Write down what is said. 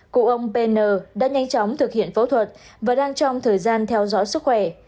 cụ ông pn đã nhanh chóng thực hiện phẫu thuật và đang trong thời gian theo dõi sức khỏe